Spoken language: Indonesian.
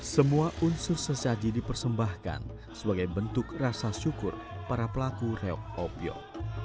semua unsur sesaji dipersembahkan sebagai bentuk rasa syukur para pelaku reok opiok